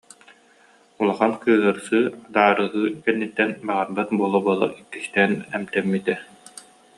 Улахан кыыһырсыы, адаарыһыы кэнниттэн баҕарбат буола-буола иккистээн эмтэммитэ